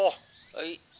はい。